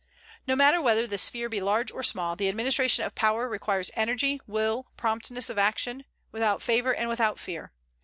No matter whether the sphere be large or small, the administration of power requires energy, will, promptness of action, without favor and without fear.